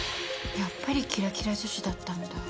やっぱりキラキラ女子だったんだ。